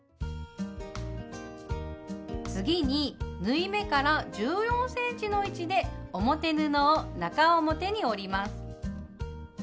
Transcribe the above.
次に縫い目から１４ｃｍの位置で表布を中表に折ります。